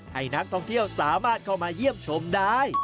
ให้นักท่องเที่ยวสามารถเข้ามาเยี่ยมชมได้